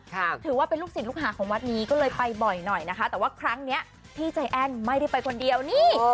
ถือว่าเป็นลูกศิษย์ลูกหาของวัดนี้ก็เลยไปบ่อยหน่อยนะคะแต่ว่าครั้งเนี้ยพี่ใจแอ้นไม่ได้ไปคนเดียวนี่